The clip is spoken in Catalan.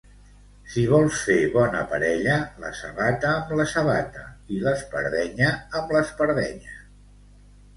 Si vols fer bona parella, la sabata amb la sabata i l'espardenya amb l'espardenya.